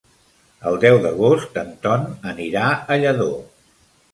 El deu d'agost en Ton anirà a Lladó.